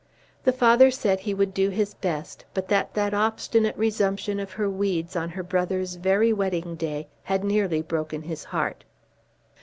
The father said he would do his best, but that that obstinate resumption of her weeds on her brother's very wedding day had nearly broken his heart.